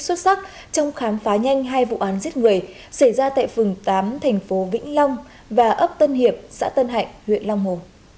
xuất sắc trong khám phá nhanh hai vụ án giết người xảy ra tại phường tám thành phố vĩnh long và ấp tân hiệp xã tân hạnh huyện long hồ